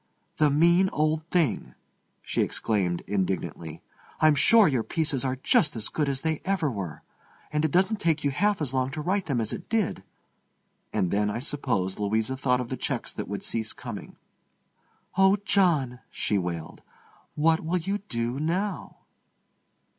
"The mean old thing!" she exclaimed indignantly. "I'm sure your pieces are just as good as they ever were. And it doesn't take you half as long to write them as it did." And then, I suppose, Louisa thought of the checks that would cease coming. "Oh, John," she wailed, "what will you do now?"